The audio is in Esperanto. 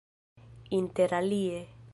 interalie